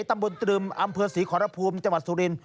ตำบลตรึมอำเภอศรีขอรภูมิจังหวัดสุรินท